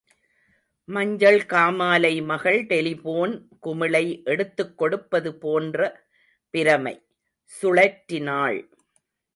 மஞ்சள் காமாலை மகள் டெலிபோன் குமிழை எடுத்துக்கொடுப்பது போன்ற பிரமை, சுழற்றினாள்.